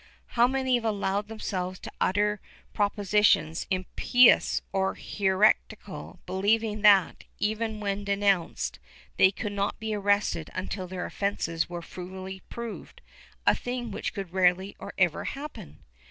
How many have allowed themselves to utter propositions impious or heretical, believing that, even when denounced, they could not be arrested until their offences were fully proved — a thing which could rarely or never happen!